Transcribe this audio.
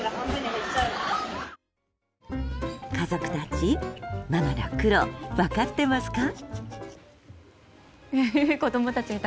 家族たちママの苦労、分かってますか？